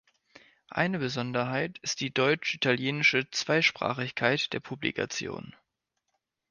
Eine Besonderheit ist die deutsch-italienische Zweisprachigkeit der Publikation.